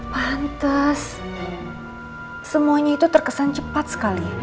pantas semuanya itu terkesan cepat sekali